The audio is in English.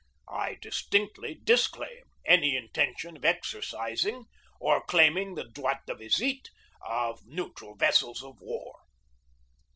I distinctly disclaim any intention of exercis ing or claiming the droit de visite of neutral vessels of war.